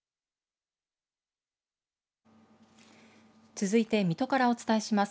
続いて水戸からお伝えします。